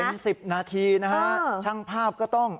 เป็น๑๐นาทีนะฮะช่างภาพก็ต้อง